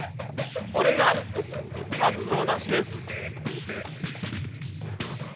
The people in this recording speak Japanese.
これがかつおだしです。